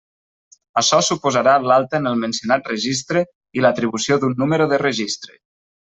Açò suposarà l'alta en el mencionat registre i l'atribució d'un número de registre.